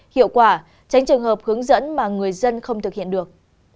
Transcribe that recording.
và tránh trường hợp hướng dẫn mà người dân không thực hiện được